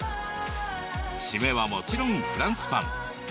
締めはもちろんフランスパン。